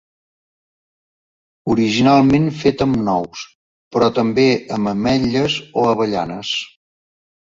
Originalment fet amb nous, però també amb ametlles o avellanes.